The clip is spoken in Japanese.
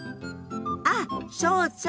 あっそうそう！